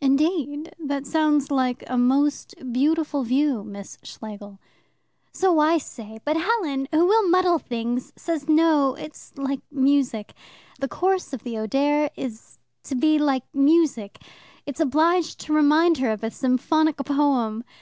"Indeed! That sounds like a most beautiful view, Miss Schlegel." "So I say, but Helen, who will muddle things, says no, it's like music. The course of the Oder is to be like music. It's obliged to remind her of a symphonic poem.